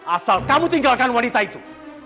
asal kamu tinggalkan wanita itu